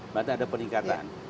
berarti ada peningkatan